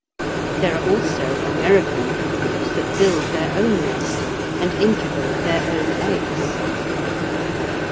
There are also American cuckoos that build their own nest and incubate their own eggs.